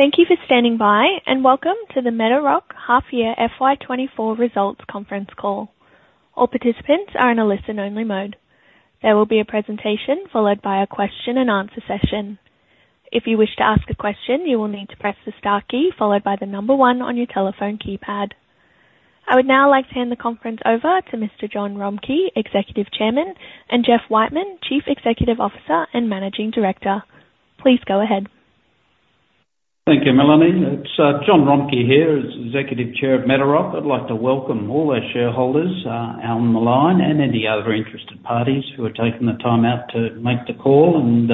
Thank you for standing by and welcome to the Metarock Half-Year FY 2024 Results Conference call. All participants are in a listen-only mode. There will be a presentation followed by a question-and-answer session. If you wish to ask a question, you will need to press the star key followed by the number one on your telephone keypad. I would now like to hand the conference over to Mr. Jon Romcke, Executive Chairman, and Jeff Whiteman, Chief Executive Officer and Managing Director. Please go ahead. Thank you, Melanie. It's Jon Romcke here, Executive Chair of Metarock. I'd like to welcome all our shareholders out on the line and any other interested parties who have taken the time out to make the call and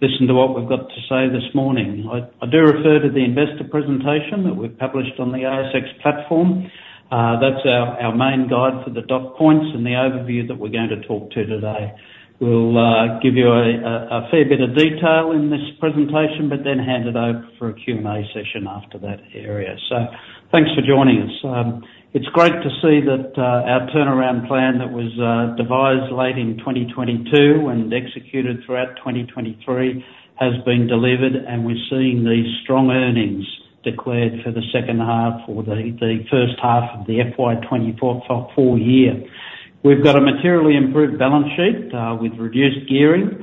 listen to what we've got to say this morning. I do refer to the investor presentation that we've published on the ASX platform. That's our main guide for the dot points and the overview that we're going to talk to today. We'll give you a fair bit of detail in this presentation, but then hand it over for a Q&A session after that area. So thanks for joining us. It's great to see that our turnaround plan that was devised late in 2022 and executed throughout 2023 has been delivered, and we're seeing these strong earnings declared for the second half or the first half of the FY 2024 year. We've got a materially improved balance sheet with reduced gearing.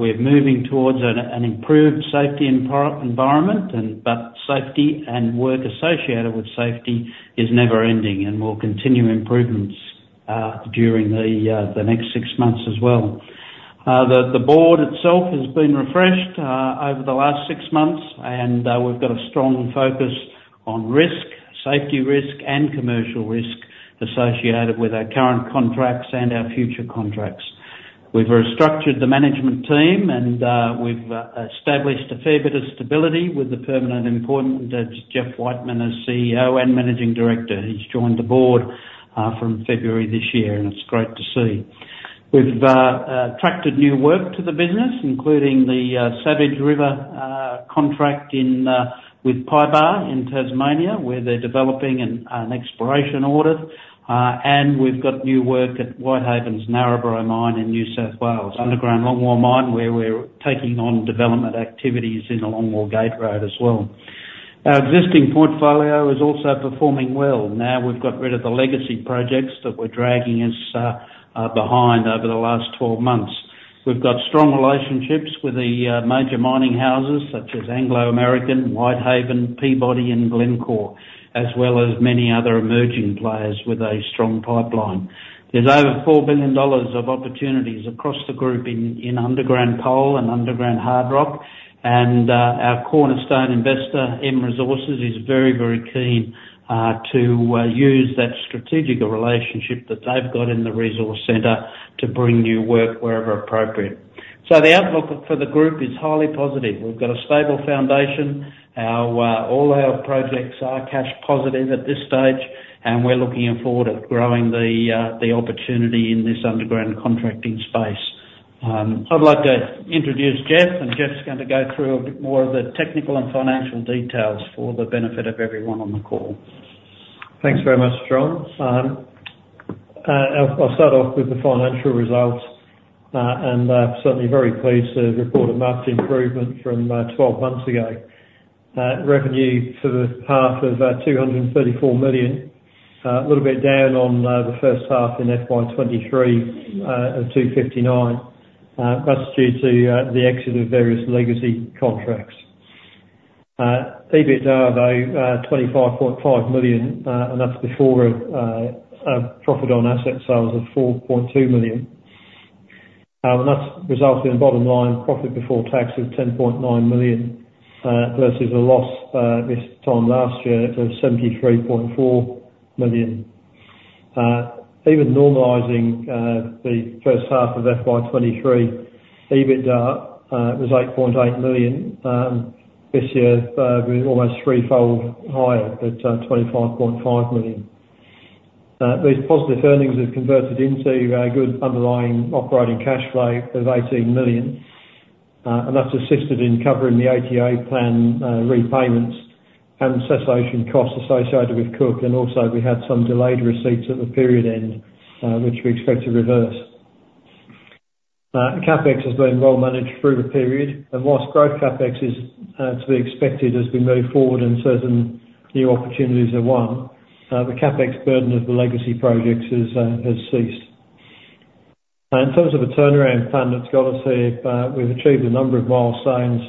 We're moving towards an improved safety environment, but safety and work associated with safety is never-ending, and we'll continue improvements during the next six months as well. The board itself has been refreshed over the last six months, and we've got a strong focus on risk, safety risk, and commercial risk associated with our current contracts and our future contracts. We've restructured the management team, and we've established a fair bit of stability with the permanent employment of Jeff Whiteman as CEO and Managing Director. He's joined the board from February this year, and it's great to see. We've attracted new work to the business, including the Savage River contract with PYBAR in Tasmania, where they're developing an exploration adit, and we've got new work at Whitehaven's Narrabri Mine in New South Wales, underground Longwall Mine, where we're taking on development activities in the Longwall Gate Road as well. Our existing portfolio is also performing well. Now we've got rid of the legacy projects that we're dragging us behind over the last 12 months. We've got strong relationships with the major mining houses such as Anglo American, Whitehaven, Peabody, and Glencore, as well as many other emerging players with a strong pipeline. There's over 4 billion dollars of opportunities across the group in underground coal and underground hard rock, and our cornerstone investor, M Resources, is very, very keen to use that strategic relationship that they've got in the resource centre to bring new work wherever appropriate. The outlook for the group is highly positive. We've got a stable foundation. All our projects are cash positive at this stage, and we're looking forward to growing the opportunity in this underground contracting space. I'd like to introduce Jeff, and Jeff's going to go through a bit more of the technical and financial details for the benefit of everyone on the call. Thanks very much, Jon. I'll start off with the financial results, and I'm certainly very pleased to report a marked improvement from 12 months ago. Revenue for the half of 234 million, a little bit down on the first half in FY 2023 of 259 million, that's due to the exit of various legacy contracts. EBITDA, though, 25.5 million, and that's before a profit on asset sales of 4.2 million. And that's resulted in bottom-line profit before tax of 10.9 million versus a loss this time last year of 73.4 million. Even normalizing the first half of FY 2023, EBITDA was 8.8 million. This year, we're almost threefold higher at 25.5 million. These positive earnings have converted into good underlying operating cash flow of 18 million, and that's assisted in covering the ATO plan repayments and cessation costs associated with Cook. And also, we had some delayed receipts at the period end, which we expect to reverse. CapEx has been well-managed through the period, and while growth CapEx is to be expected as we move forward and certain new opportunities are won, the CapEx burden of the legacy projects has ceased. In terms of a turnaround plan, it's got us here: we've achieved a number of milestones.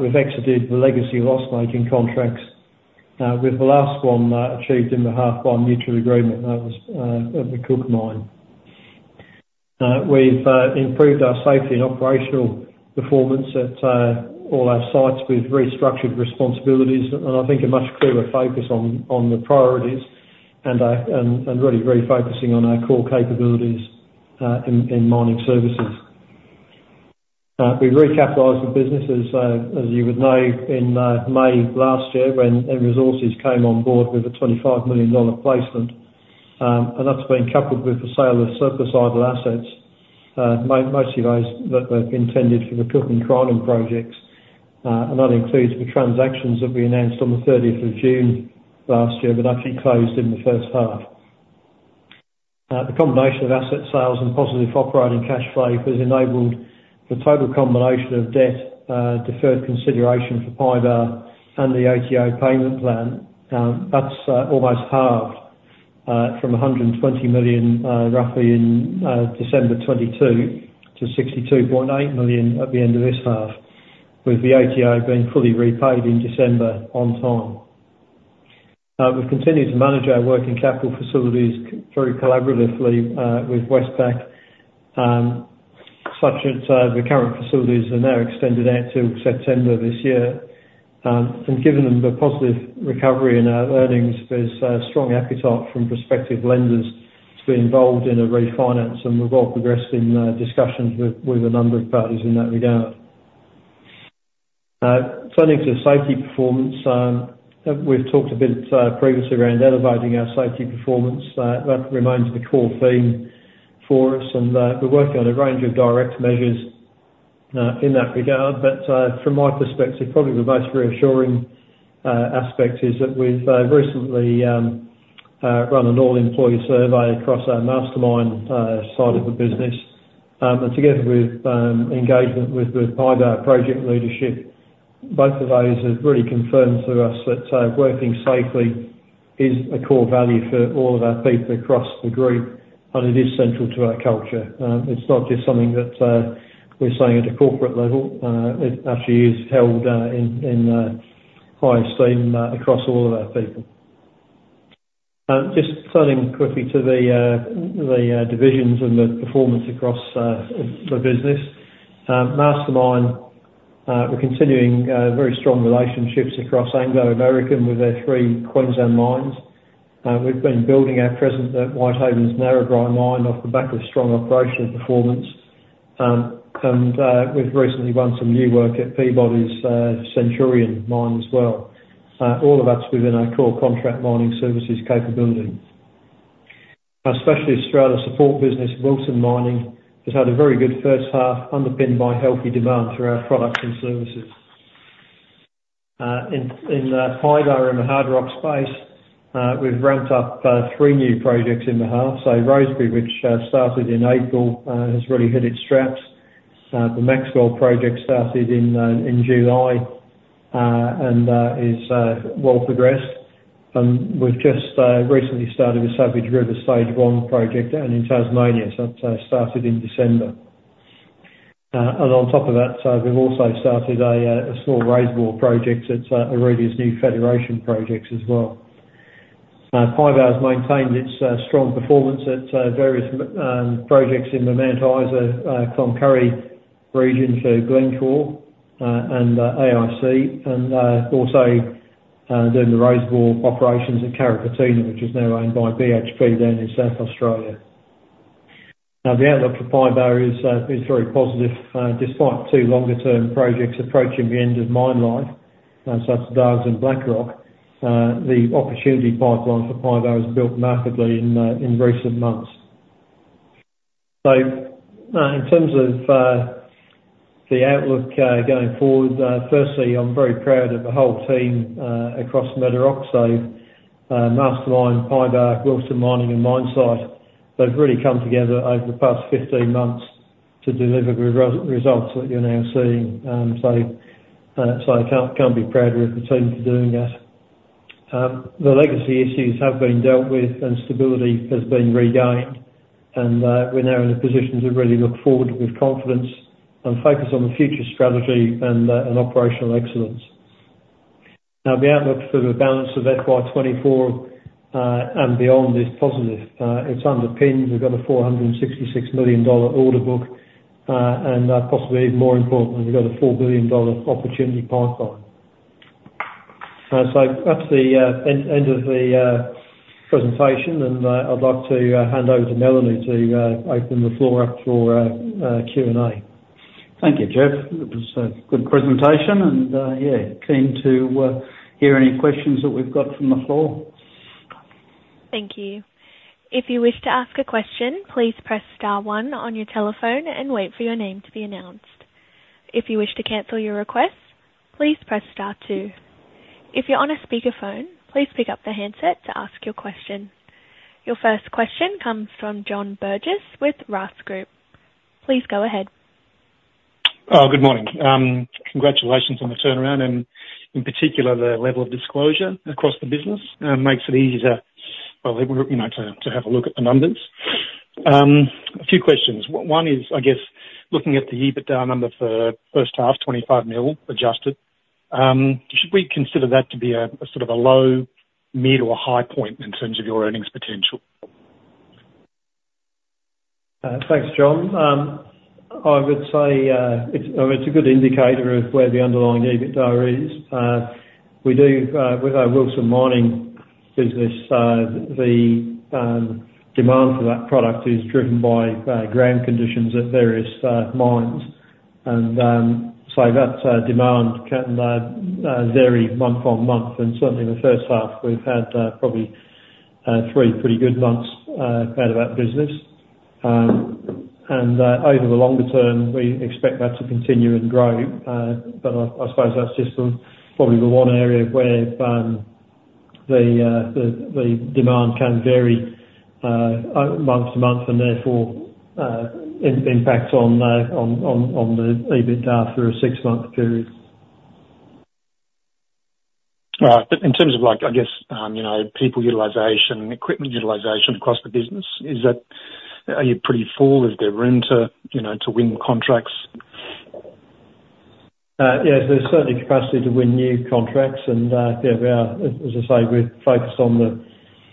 We've exited the legacy loss-making contracts, with the last one achieved in the half by a mutual agreement that was at the Cook Mine. We've improved our safety and operational performance at all our sites. We've restructured responsibilities, and I think a much clearer focus on the priorities and really refocusing on our core capabilities in mining services. We've recapitalized the business, as you would know, in May last year when M Resources came on board with a 25 million dollar placement, and that's been coupled with the sale of surplus idle assets, mostly those that have been tended for the Cook and Crinum projects. That includes the transactions that we announced on the 30th of June last year but actually closed in the first half. The combination of asset sales and positive operating cash flow has enabled the total combination of debt deferred consideration for PYBAR and the ATA payment plan. That's almost halved from 120 million, roughly in December 2022, to 62.8 million at the end of this half, with the ATA being fully repaid in December on time. We've continued to manage our working capital facilities very collaboratively with Westpac, such as the current facilities that are now extended out till September this year. And given the positive recovery in our earnings, there's strong appetite from prospective lenders to be involved in a refinance, and we've all progressed in discussions with a number of parties in that regard. Turning to safety performance, we've talked a bit previously around elevating our safety performance. That remains the core theme for us, and we're working on a range of direct measures in that regard. But from my perspective, probably the most reassuring aspect is that we've recently run an all-employee survey across our Mastermyne side of the business. And together with engagement with both PYBAR and project leadership, both of those have really confirmed to us that working safely is a core value for all of our people across the group, and it is central to our culture. It's not just something that we're saying at a corporate level. It actually is held in high esteem across all of our people. Just turning quickly to the divisions and the performance across the business: Mastermyne, we're continuing very strong relationships across Anglo American with their three Queensland mines. We've been building our presence at Whitehaven's Narrabri Mine off the back of strong operational performance, and we've recently run some new work at Peabody's Centurion Mine as well. All of that's within our core contract mining services capability. Our specialist strata support business, Wilson Mining, has had a very good first half underpinned by healthy demand for our products and services. In PYBAR and the hard rock space, we've ramped up three new projects in the half. So Rosebery, which started in April, has really hit its straps. The Maxwell project started in July and is well progressed. And we've just recently started the Savage River stage one project in Tasmania. That started in December. On top of that, we've also started a small raise bore project at Aurelia's new Federation project as well. PYBAR has maintained its strong performance at various projects in Mount Isa, Cloncurry region for Glencore, and AIC, and also doing the raise bore operations at Carrapateena, which is now owned by BHP down in South Australia. Now, the outlook for PYBAR is very positive. Despite two longer-term projects approaching the end of mine life, so that's darks and black rock, the opportunity pipeline for PYBAR has built markedly in recent months. In terms of the outlook going forward, firstly, I'm very proud of the whole team across Metarock. Mastermyne, PYBAR, Wilson Mining, and MyneSight, they've really come together over the past 15 months to deliver the results that you're now seeing. I can't be prouder of the team for doing that. The legacy issues have been dealt with, and stability has been regained. We're now in a position to really look forward with confidence and focus on the future strategy and operational excellence. Now, the outlook for the balance of FY 2024 and beyond is positive. It's underpinned. We've got a 466 million dollar order book, and possibly even more importantly, we've got a 4 billion dollar opportunity pipeline. That's the end of the presentation, and I'd like to hand over to Melanie to open the floor up for Q&A. Thank you, Jeff. It was a good presentation, and yeah, keen to hear any questions that we've got from the floor. Thank you. If you wish to ask a question, please press star one on your telephone and wait for your name to be announced. If you wish to cancel your request, please press star two. If you're on a speakerphone, please pick up the handset to ask your question. Your first question comes from John Burgess with RAAS Group. Please go ahead. Good morning. Congratulations on the turnaround, and in particular, the level of disclosure across the business makes it easier to, well, to have a look at the numbers. A few questions. One is, I guess, looking at the EBITDA number for the first half, 25 million adjusted, should we consider that to be sort of a low, mid, or a high point in terms of your earnings potential? Thanks, John. I would say it's a good indicator of where the underlying EBITDA is. With our Wilson Mining business, the demand for that product is driven by ground conditions at various mines. And so that demand can vary month-to-month. And certainly, in the first half, we've had probably three pretty good months out of that business. And over the longer term, we expect that to continue and grow. But I suppose that's just probably the one area where the demand can vary month-to-month and therefore impact on the EBITDA for a six-month period. In terms of, I guess, people utilization, equipment utilization across the business, are you pretty full? Is there room to win contracts? Yes, there's certainly capacity to win new contracts. And yeah, as I say, we've focused on the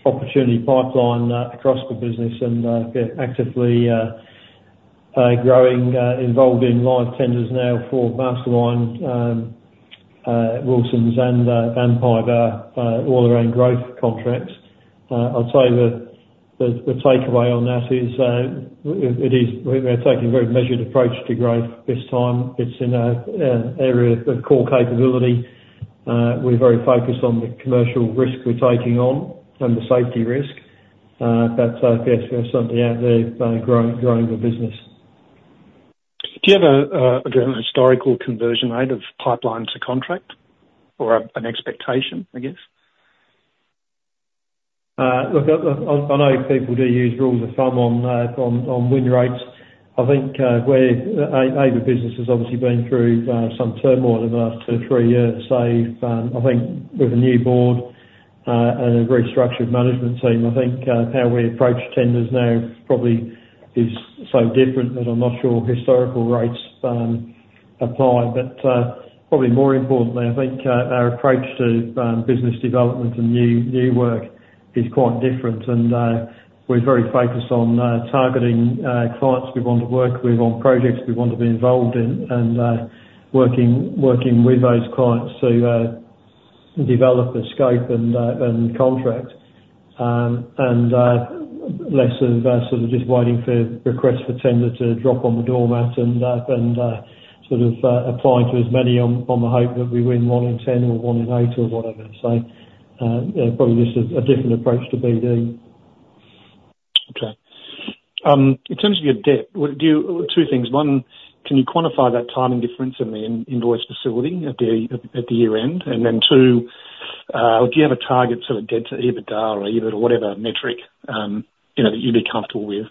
opportunity pipeline across the business and actively growing, involved in live tenders now for Mastermyne, Wilson, and PYBAR, all around growth contracts. I'll tell you the takeaway on that is we're taking a very measured approach to growth this time. It's in an area of core capability. We're very focused on the commercial risk we're taking on and the safety risk. But yes, we're certainly out there growing the business. Do you have, again, a historical conversion rate of pipeline to contract or an expectation, I guess? Look, I know people do use rules of thumb on win rates. I think either business has obviously been through some turmoil in the last two or three years. So I think with a new board and a restructured management team, I think how we approach tenders now probably is so different that I'm not sure historical rates apply. But probably more importantly, I think our approach to business development and new work is quite different. And we're very focused on targeting clients we want to work with, on projects we want to be involved in, and working with those clients to develop the scope and contract and less of sort of just waiting for requests for tender to drop on the doormat and sort of applying to as many on the hope that we win one in 10 or one in 8 or whatever. Probably just a different approach to BD. Okay. In terms of your debt, two things. One, can you quantify that timing difference in the invoice facility at the year-end? And then two, do you have a target sort of debt to EBITDA or EBIT or whatever metric that you'd be comfortable with?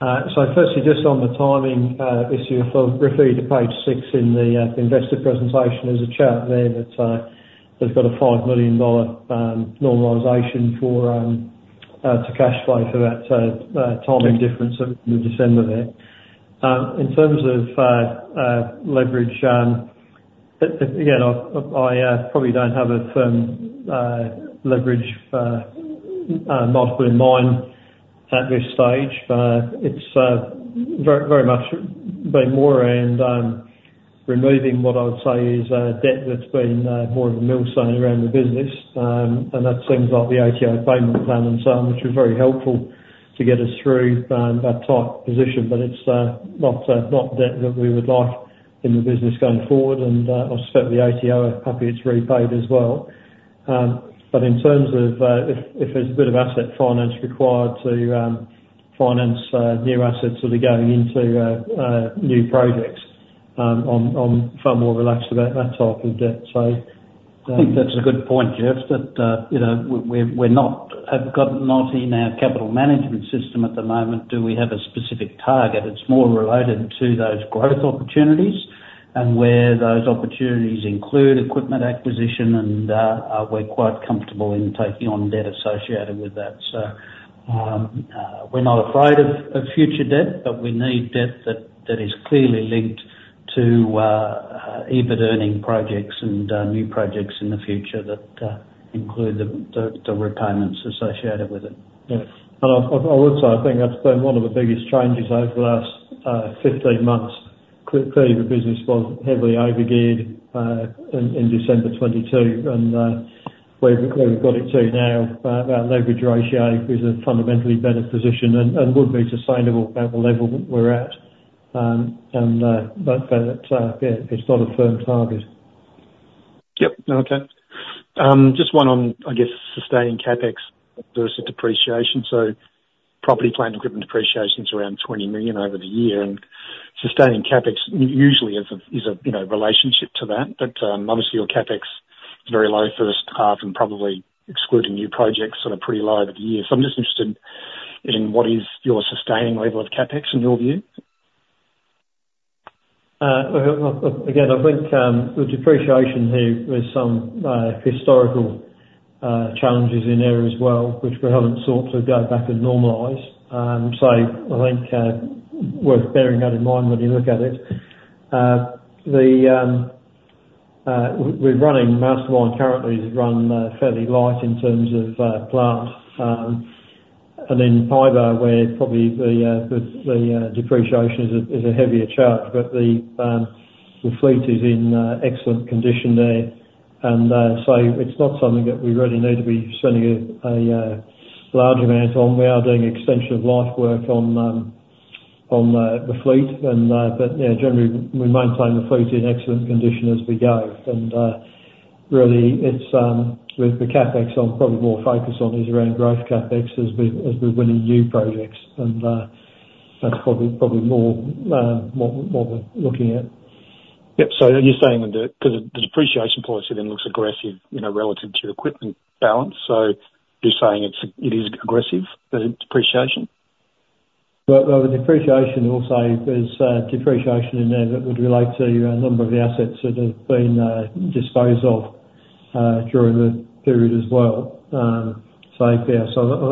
So firstly, just on the timing issue, I thought referring to page six in the investor presentation, there's a chart there that's got a 5 million dollar normalization to cash flow for that timing difference in the December there. In terms of leverage, again, I probably don't have a firm leverage multiple in mind at this stage. But it's very much been more around removing what I would say is debt that's been more of a milestone around the business. And that seems like the ATA payment plan and so on, which was very helpful to get us through that type position. But it's not debt that we would like in the business going forward. And I suspect the ATA are happy it's repaid as well. In terms of if there's a bit of asset finance required to finance new assets sort of going into new projects, I'm far more relaxed about that type of debt. I think that's a good point, Jeff, that we haven't gotten into our capital management system at the moment. Do we have a specific target? It's more related to those growth opportunities and where those opportunities include equipment acquisition, and we're quite comfortable in taking on debt associated with that. So we're not afraid of future debt, but we need debt that is clearly linked to EBIT earning projects and new projects in the future that include the repayments associated with it. Yeah. I would say I think that's been one of the biggest changes over the last 15 months. Clearly, the business was heavily overgeared in December 2022, and where we've got it to now, our leverage ratio is a fundamentally better position and would be sustainable at the level we're at. But yeah, it's not a firm target. Yep. Okay. Just one on, I guess, sustaining CapEx versus depreciation. So property, plant and equipment depreciation's around 20 million over the year. And sustaining CapEx usually is a relationship to that. But obviously, your CapEx is very low first half and probably excluding new projects sort of pretty low over the year. So I'm just interested in what is your sustaining level of CapEx in your view. Again, I think the depreciation here was some historical challenges in there as well, which we haven't sought to go back and normalize. So I think worth bearing that in mind when you look at it. We're running Mastermyne currently is run fairly light in terms of plant. And in PYBAR, probably the depreciation is a heavier charge. But the fleet is in excellent condition there. And so it's not something that we really need to be spending a large amount on. We are doing extension of life work on the fleet. But yeah, generally, we maintain the fleet in excellent condition as we go. And really, with the CapEx on, probably more focus on is around growth CapEx as we're winning new projects. And that's probably more what we're looking at. Yep. So you're saying that because the depreciation policy then looks aggressive relative to your equipment balance. So you're saying it is aggressive, the depreciation? Well, the depreciation also is depreciation in there that would relate to a number of the assets that have been disposed of during the period as well. So yeah, I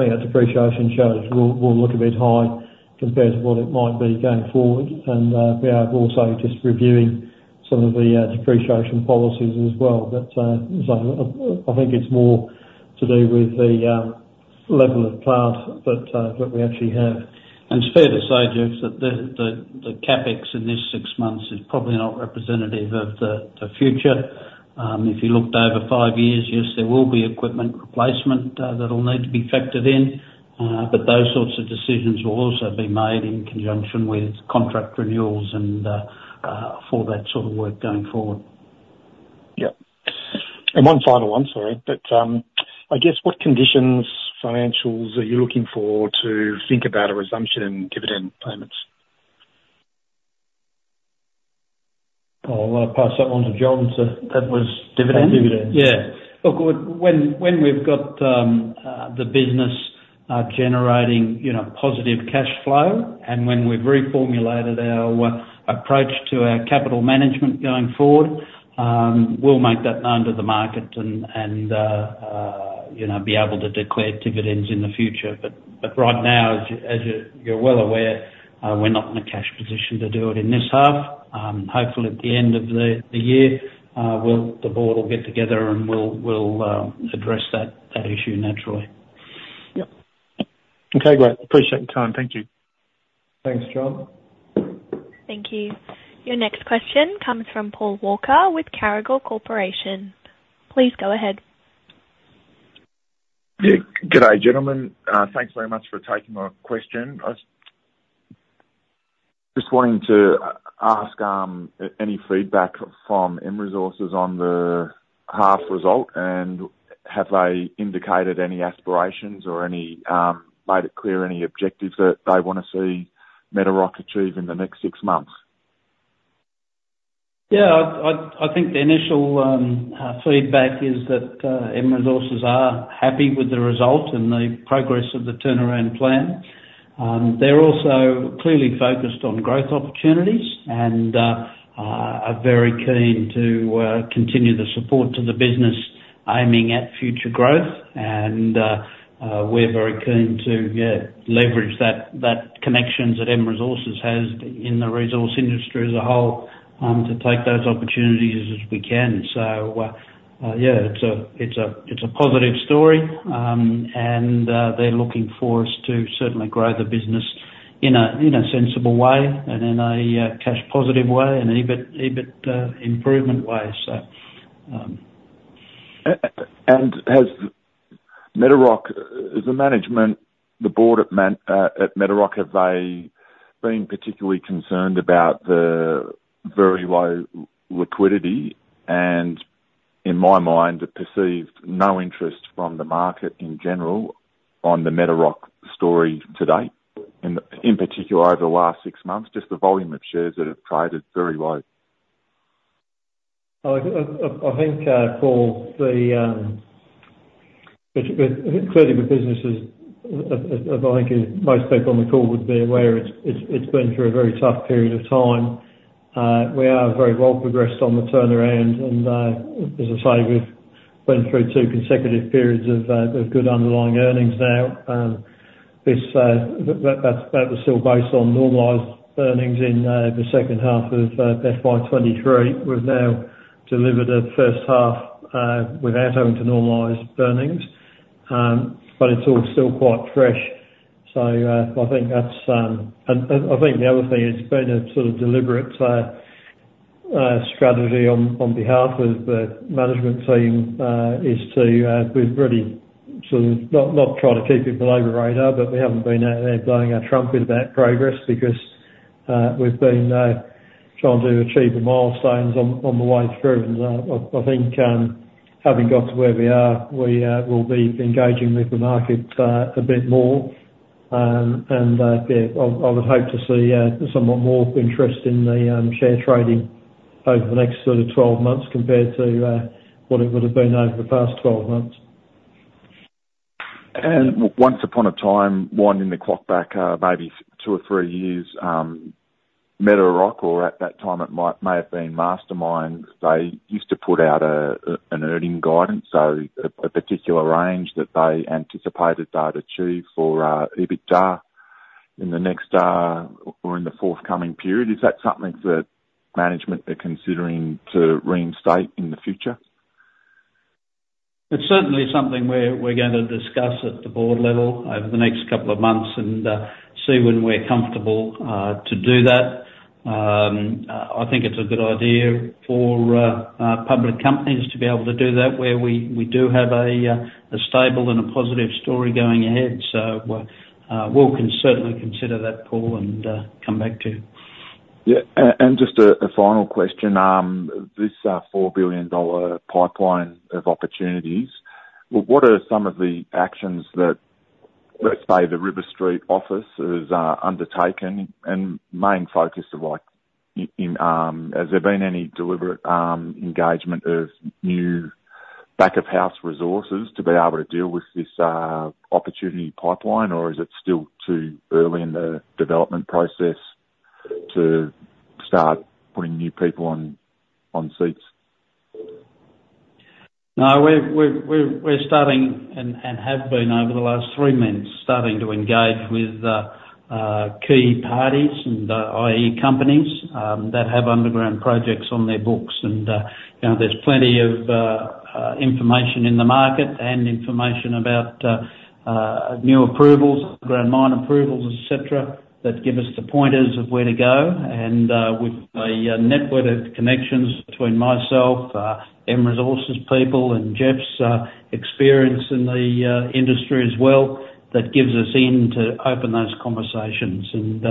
think our depreciation charge will look a bit high compared to what it might be going forward. And yeah, I'm also just reviewing some of the depreciation policies as well. But so I think it's more to do with the level of plant that we actually have. It's fair to say, Jeff, that the CapEx in this six months is probably not representative of the future. If you looked over five years, yes, there will be equipment replacement that'll need to be factored in. But those sorts of decisions will also be made in conjunction with contract renewals for that sort of work going forward. Yep. And one final one, sorry, but I guess what conditions, financials, are you looking for to think about a resumption in dividend payments? Oh, I'm going to pass that one to Jon. That was dividend? Yeah. Look, when we've got the business generating positive cash flow and when we've reformulated our approach to our capital management going forward, we'll make that known to the market and be able to declare dividends in the future. But right now, as you're well aware, we're not in a cash position to do it in this half. Hopefully, at the end of the year, the board will get together, and we'll address that issue naturally. Yep. Okay. Great. Appreciate the time. Thank you. Thanks, John. Thank you. Your next question comes from Paul Walker with Cargill Corporation. Please go ahead. Good day, gentlemen. Thanks very much for taking my question. Just wanting to ask any feedback from M Resources on the half result, and have they indicated any aspirations or made it clear any objectives that they want to see Metarock achieve in the next six months? Yeah. I think the initial feedback is that M Resources are happy with the result and the progress of the turnaround plan. They're also clearly focused on growth opportunities and are very keen to continue the support to the business aiming at future growth. And we're very keen to leverage that connections that M Resources has in the resource industry as a whole to take those opportunities as we can. So yeah, it's a positive story, and they're looking for us to certainly grow the business in a sensible way, and in a cash-positive way, and an EBIT improvement way, so. Has Metarock, is the management, the board at Metarock, have they been particularly concerned about the very low liquidity and, in my mind, a perceived no interest from the market in general on the Metarock story today, in particular over the last six months, just the volume of shares that have traded very low? I think, Paul, clearly, the businesses, I think most people on the call would be aware, it's been through a very tough period of time. We are very well progressed on the turnaround. And as I say, we've been through two consecutive periods of good underlying earnings now. That was still based on normalized earnings in the second half of FY 2023. We've now delivered a first half without having to normalize earnings. But it's all still quite fresh. So I think that's and I think the other thing is it's been a sort of deliberate strategy on behalf of the management team is to we've really sort of not tried to keep it below the radar, but we haven't been out there blowing our trumpet about progress because we've been trying to achieve the milestones on the way through. And I think having got to where we are, we will be engaging with the market a bit more. And yeah, I would hope to see somewhat more interest in the share trading over the next sort of 12 months compared to what it would have been over the past 12 months. Once upon a time, winding the clock back maybe two or three years, Metarock, or at that time, it may have been Mastermyne, they used to put out an earnings guidance, so a particular range that they anticipated they'd achieve for EBITDA in the next or in the forthcoming period. Is that something that management are considering to reinstate in the future? It's certainly something we're going to discuss at the board level over the next couple of months and see when we're comfortable to do that. I think it's a good idea for public companies to be able to do that where we do have a stable and a positive story going ahead. So we'll certainly consider that, Paul, and come back to you. Yeah. Just a final question. This 4 billion dollar pipeline of opportunities, what are some of the actions that, let's say, the River Street office has undertaken and main focus of has there been any deliberate engagement of new back-of-house resources to be able to deal with this opportunity pipeline, or is it still too early in the development process to start putting new people on seats? No, we're starting and have been over the last three months starting to engage with key parties, i.e., companies that have underground projects on their books. And there's plenty of information in the market and information about new approvals, underground mine approvals, etc., that give us the pointers of where to go. And with a network of connections between myself, M Resources people, and Jeff's experience in the industry as well, that gives us in to open those conversations and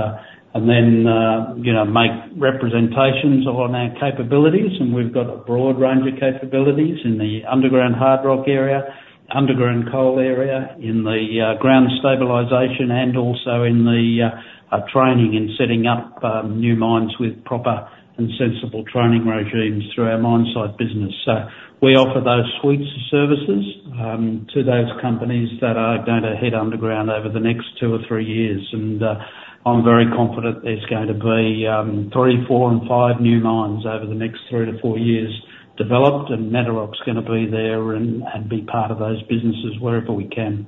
then make representations on our capabilities. And we've got a broad range of capabilities in the underground hard rock area, underground coal area, in the ground stabilization, and also in the training in setting up new mines with proper and sensible training regimes through our mine site business. We offer those suites of services to those companies that are going to head underground over the next two or three years. I'm very confident there's going to be three, four and five new mines over the next three to four years developed, and Metarock's going to be there and be part of those businesses wherever we can.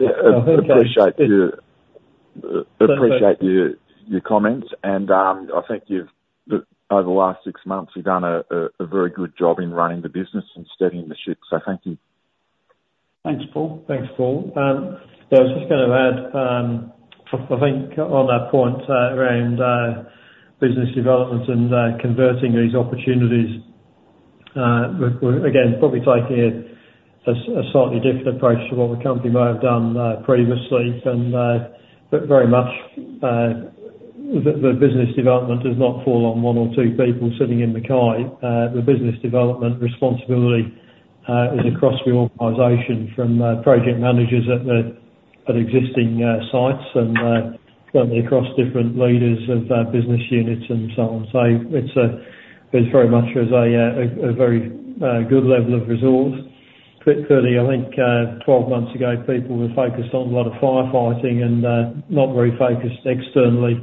I appreciate your comments. I think over the last six months, you've done a very good job in running the business and steadying the ship. Thank you. Thanks, Paul. Thanks, Paul. Yeah, I was just going to add, I think, on that point around business development and converting these opportunities, again, probably taking a slightly different approach to what the company might have done previously. But very much, the business development does not fall on one or two people sitting in the C-suite. The business development responsibility is across the organization from project managers at existing sites and certainly across different leaders of business units and so on. So it's very much a very good level of resource. Clearly, I think 12 months ago, people were focused on a lot of firefighting and not very focused externally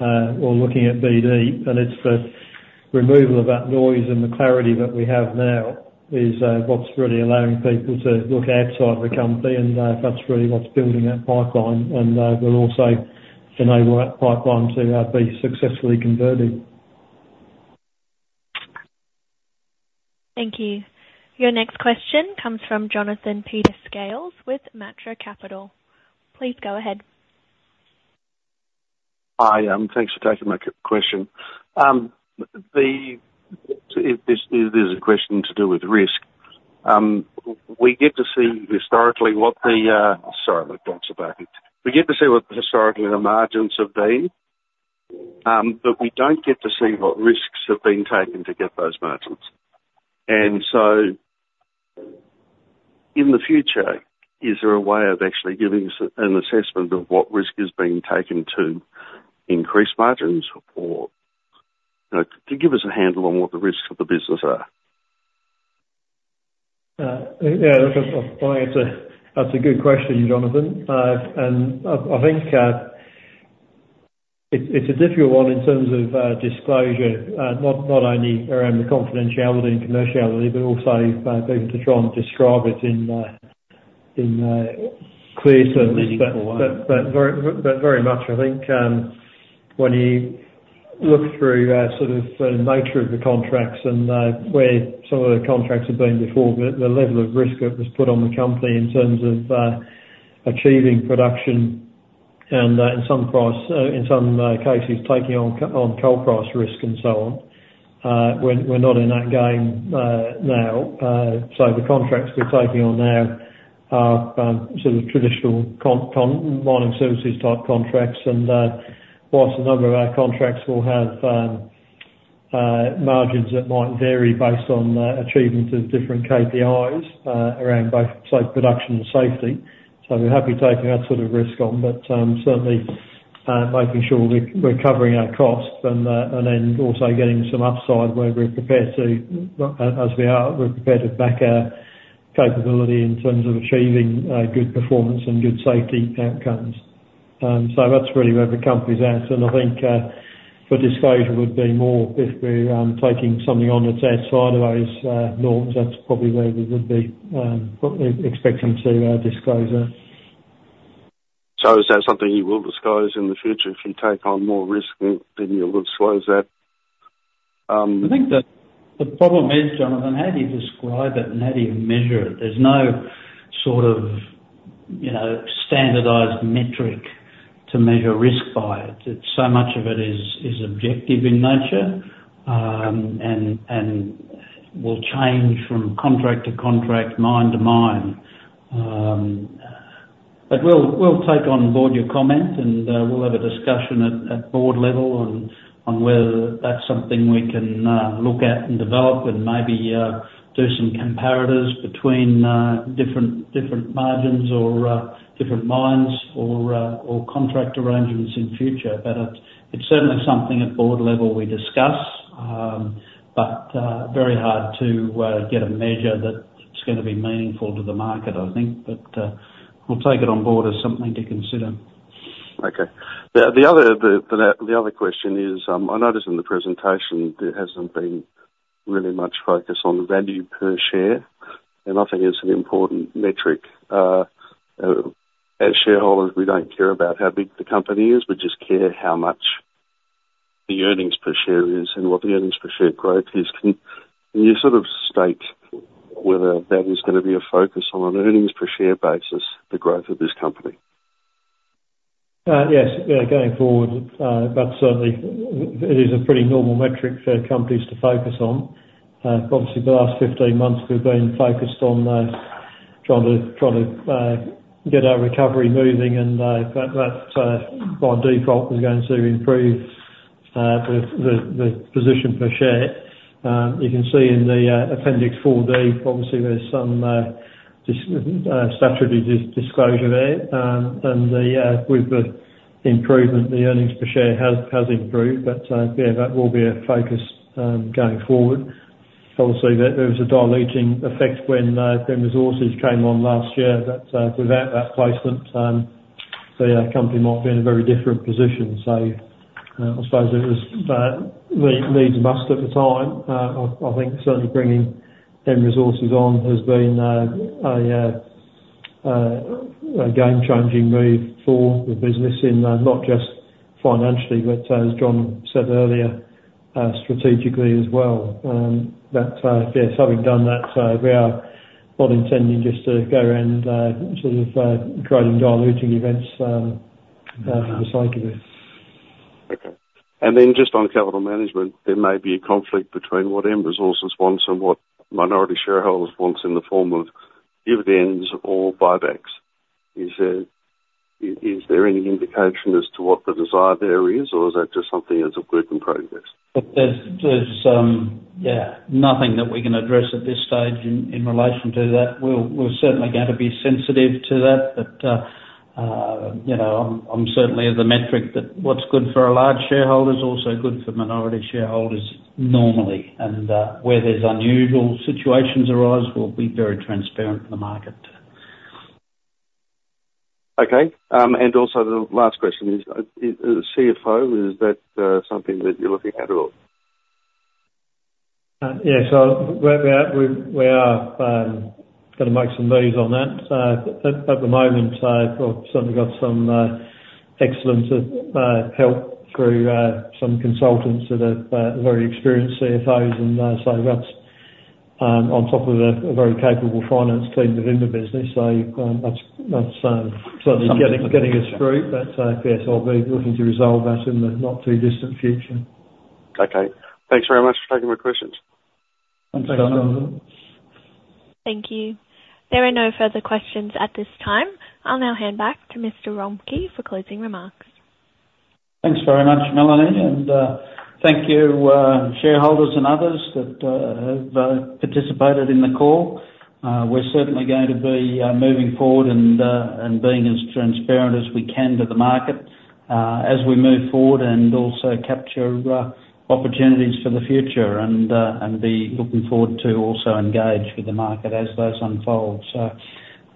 or looking at BD. And it's the removal of that noise and the clarity that we have now is what's really allowing people to look outside of the company. And that's really what's building that pipeline. We'll also enable that pipeline to be successfully converted. Thank you. Your next question comes from Jonathan Peters-Scales with Matra Capital. Please go ahead. Hi. Thanks for taking my question. This is a question to do with risk. We get to see historically what the margins have been, but we don't get to see what risks have been taken to get those margins. And so in the future, is there a way of actually giving us an assessment of what risk is being taken to increase margins or to give us a handle on what the risks of the business are? Yeah. Look, I think that's a good question, Jonathan. I think it's a difficult one in terms of disclosure, not only around the confidentiality and commerciality, but also being able to try and describe it in clear terms. In an easy-for-word way. But very much. I think when you look through sort of the nature of the contracts and where some of the contracts have been before, the level of risk that was put on the company in terms of achieving production and in some cases, taking on coal price risk and so on, we're not in that game now. So the contracts we're taking on now are sort of traditional mining services-type contracts. And whilst a number of our contracts will have margins that might vary based on achievement of different KPIs around both, say, production and safety, so we're happy taking that sort of risk on, but certainly making sure we're covering our costs and then also getting some upside where we're prepared to as we are, we're prepared to back our capability in terms of achieving good performance and good safety outcomes. So that's really where the company's at. I think for disclosure would be more if we're taking something on that's outside of those norms. That's probably where we would be expecting to disclose that. Is that something you will disclose in the future if you take on more risk, then you'll disclose that? I think the problem is, Jonathan, how do you describe it and how do you measure it? There's no sort of standardized metric to measure risk by it. So much of it is objective in nature and will change from contract to contract, mine to mine. But we'll take on board your comment, and we'll have a discussion at board level on whether that's something we can look at and develop and maybe do some comparators between different margins or different mines or contract arrangements in future. But it's certainly something at board level we discuss, but very hard to get a measure that's going to be meaningful to the market, I think. But we'll take it on board as something to consider. Okay. The other question is, I noticed in the presentation there hasn't been really much focus on value per share, and I think it's an important metric. As shareholders, we don't care about how big the company is. We just care how much the earnings per share is and what the earnings per share growth is. Can you sort of state whether that is going to be a focus on an earnings per share basis, the growth of this company? Yes. Yeah, going forward, that certainly is a pretty normal metric for companies to focus on. Obviously, the last 15 months, we've been focused on trying to get our recovery moving, and that by default is going to improve the position per share. You can see in the Appendix 4D, obviously, there's some statutory disclosure there. And with the improvement, the earnings per share has improved. But yeah, that will be a focus going forward. Obviously, there was a diluting effect when M Resources came on last year, but without that placement, the company might be in a very different position. So I suppose it was the needs and must at the time. I think certainly bringing M Resources on has been a game-changing move for the business in not just financially, but as John said earlier, strategically as well. But yes, having done that, we are not intending just to go and sort of creating diluting events for the cycle. Okay. And then just on capital management, there may be a conflict between what M Resources wants and what minority shareholders want in the form of dividends or buybacks. Is there any indication as to what the desire there is, or is that just something that's a work in progress? Yeah, nothing that we can address at this stage in relation to that. We're certainly going to be sensitive to that. But I'm certainly of the mindset that what's good for a large shareholder is also good for minority shareholders normally. And where unusual situations arise, we'll be very transparent to the market. Okay. Also, the last question is, CFO, is that something that you're looking at at all? Yeah. So we are going to make some moves on that. At the moment, we've certainly got some excellent help through some consultants that are very experienced CFOs. And so that's on top of a very capable finance team within the business. So that's certainly getting us through. But yes, I'll be looking to resolve that in the not too distant future. Okay. Thanks very much for taking my questions. Thanks, Jonathan. Thank you. There are no further questions at this time. I'll now hand back to Mr. Romcke for closing remarks. Thanks very much, Melanie. Thank you, shareholders, and others that have participated in the call. We're certainly going to be moving forward and being as transparent as we can to the market as we move forward and also capture opportunities for the future and be looking forward to also engage with the market as those unfold. So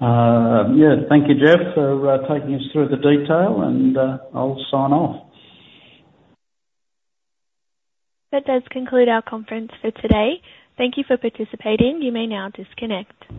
yeah, thank you, Jeff, for taking us through the detail, and I'll sign off. That does conclude our conference for today. Thank you for participating. You may now disconnect.